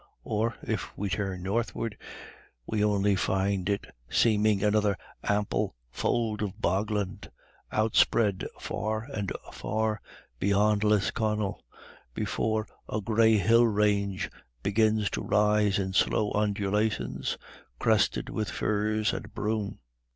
Or, if we turn northward, we only find it seaming another ample fold of bogland, outspread far and far beyond Lisconnel before a grey hill range begins to rise in slow undulations, crested with furze and broom.